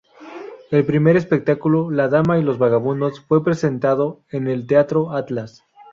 El primer espectáculo, "La dama y los vagabundos", fue presentado en el teatro Atlas.